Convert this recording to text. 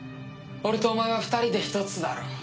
俺とお前は２人で一つだろ？